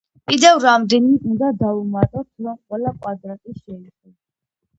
კიდევ რამდენი უნდა დავუმატოთ, რომ ყველა კვადრატი შეივსოს.